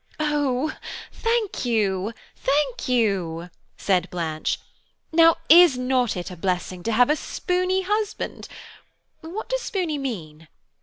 "Oh, thank you, thank you," said Blanche. "Now, is not it a blessing to have a spooney husband? What does spooney mean?